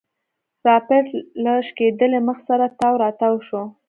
رابرټ له شکېدلي مخ سره تاو راتاو شو.